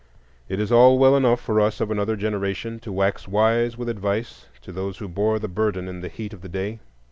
It is all well enough for us of another generation to wax wise with advice to those who bore the burden in the heat of the day.